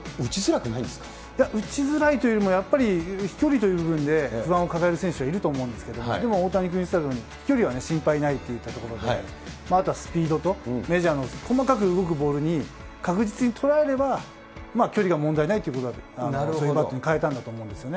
いや、打ちづらいというよりも、やっぱり飛距離という部分で、不安を抱える選手はいると思うんですけれども、でも大谷選手が言っていたように、飛距離は心配ないといったところで、あとはスピードと、メジャーの細かく動くボールに、確実に捉えれば、距離が問題ないということで、そういうバットに変えたんだと思うんですよね。